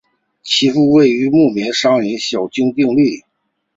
其父为木棉商人小津定利。